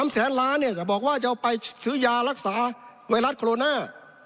แสนล้านเนี่ยบอกว่าจะเอาไปซื้อยารักษาไวรัสโคโรนา